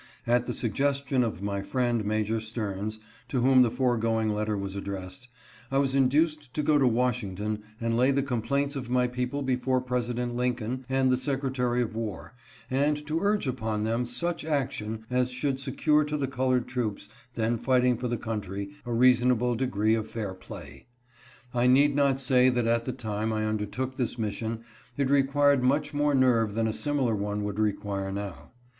At the suggestion of my friend, Major Stearns, to whom the foregoing letter was addressed, I was induced to go to Washington and lay the complaints of my people before President Lincoln and the Secretary of War and to urge upon them such action as should secure to the colored troops then fighting for the country a reasonable degree of fair play. I need not say that at the time I undertook this mission it required much more nerve than a similar one would require now.